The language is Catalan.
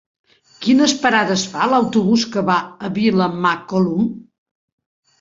Quines parades fa l'autobús que va a Vilamacolum?